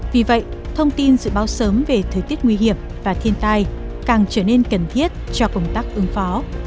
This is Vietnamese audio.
vì vậy thông tin dự báo sớm về thời tiết nguy hiểm và thiên tai càng trở nên cần thiết cho công tác ứng phó